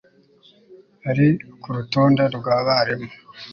ari ku rutonde rw abarimu